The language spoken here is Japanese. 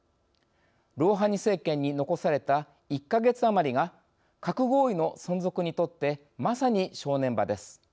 ロウハニ政権に残された１か月余りが核合意の存続にとってまさに正念場です。